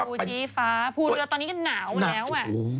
พูเรือตอนนี้กันหนาวมาแล้ว